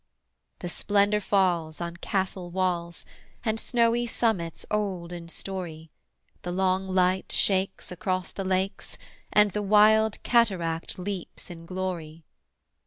The splendour falls on castle walls And snowy summits old in story: The long light shakes across the lakes, And the wild cataract leaps in glory.